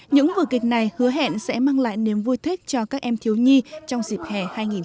những vở kịch này hứa hẹn sẽ mang lại niềm vui thích cho các em thiếu nhi trong dịp hè hai nghìn hai mươi